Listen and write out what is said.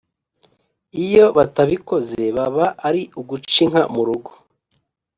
Iyo batabikoze baba ari uguca inka mu rugo